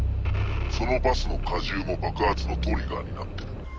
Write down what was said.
そのバスの荷重も爆発のトリガーになってる。